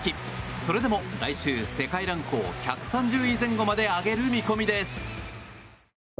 それでも来週世界ランクを１３０位前後まで上げる見込みです。